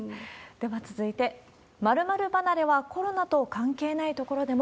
では続いて、○○離れはコロナと関係ないところでも。